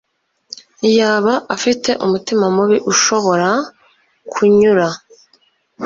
Yaba afite umutima mubi ushobora kunyura